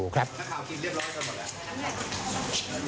นักข่าวกินเรียบร้อยกันหมดแล้ว